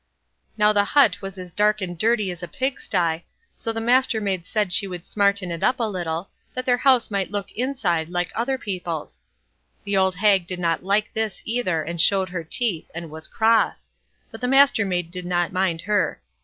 Now the but was as dark and dirty as a pigsty, so the Mastermaid said she would smarten it up a little, that their house might look inside like other people's. The old hag did not like this either, and showed her teeth, and was cross; but the Mastermaid did not mind her.